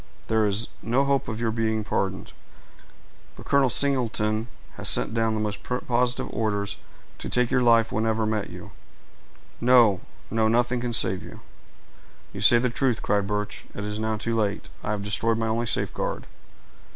There is no hope of your being pardoned; for Colonel Singleton has sent down the most positive orders to take your life whenever we met you. No, no—nothing can save you." "You say the truth," cried Birch. "It is now too late—I have destroyed my only safeguard.